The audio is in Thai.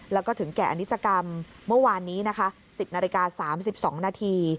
แล้วก็ถึงแก่อนิจกรรมเมื่อวานนี้นะคะ๑๐นาฬิกา๓๒นาที